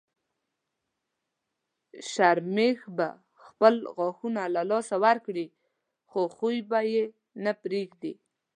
شرمښ به خپل غاښونه له لاسه ورکړي خو خوی به یې نه پرېږدي.